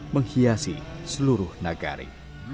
menghiasi seluruh negara